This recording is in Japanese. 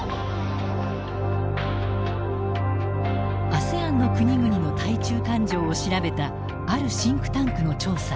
ＡＳＥＡＮの国々の対中感情を調べたあるシンクタンクの調査。